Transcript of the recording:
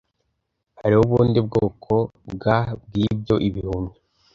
Hariho ubundi bwoko bwa bwibyo Ibihumyo